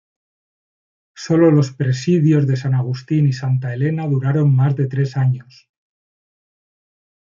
Sólo los presidios de San Agustín y Santa Elena duraron más de tres años.